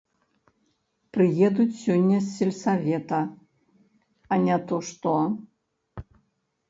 Прыедуць сёння з сельсавета, а не то што.